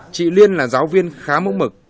chị liên là giáo viên khá mẫu mực